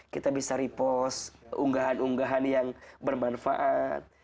kita bisa repost unggahan unggahan yang bermanfaat